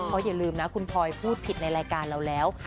เพราะอย่าลืมนะคุณพลอยพูดผิดในรายการเราแล้ว